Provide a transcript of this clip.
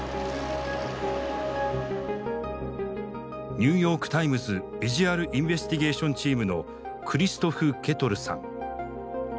ニューヨーク・タイムズビジュアル・インベスティゲーションチームのクリストフ・ケトルさん。